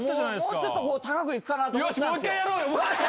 もうちょっと高くいくかと思った。